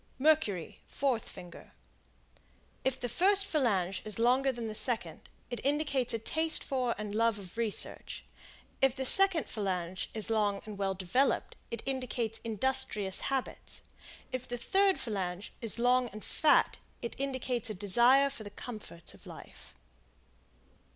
Mercury, fourth finger; if the first phalange is longer than the second, it indicates a taste for and love of research; if the second phalange is long and well developed, it indicates industrious habits; if the third phalange is long and fat, it indicates a desire for the comforts of life.